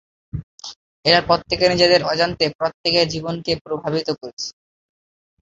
এরা প্রত্যেকে নিজেদের অজান্তে প্রত্যেকের জীবনকে প্রভাবিত করে।